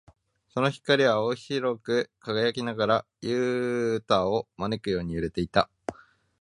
その光は青白く輝きながら、ユウタを招くように揺れていた。